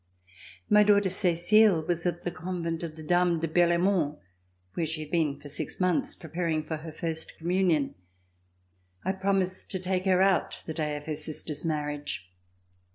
My daughter Cecile was at the Convent of the Dames de Berlaimont where she had been for six months preparing for her first communion. I promised to take her out the day of her sister's marriage.